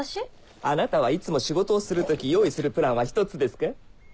あなたはいつも仕事をする時用意するプランは１つですか？